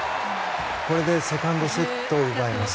これでセカンドセットを奪います。